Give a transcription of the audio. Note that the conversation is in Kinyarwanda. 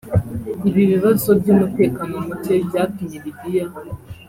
Ibi bibazo by’umutekano muke byatumye Libya